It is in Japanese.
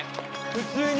普通に。